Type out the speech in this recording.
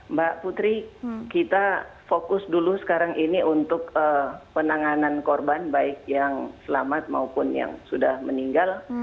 mbak putri kita fokus dulu sekarang ini untuk penanganan korban baik yang selamat maupun yang sudah meninggal